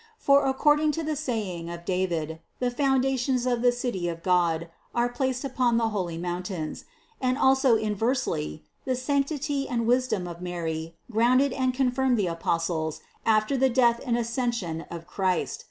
For according to the saying of David, the foundations of the city of God are placed upon the holy mountains, and also inversely, the sanctity and wisdom of Mary grounded and confirmed the Apostles after the Death and Ascen sion of Christ.